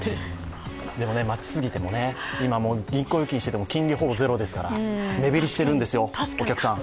待ちすぎてもね、今、銀行預金してても、金利ほぼゼロですから、目減りしているんですよ、お客さん！